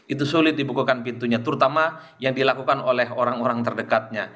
itu sulit dibukukan pintunya terutama yang dilakukan oleh orang orang terdekatnya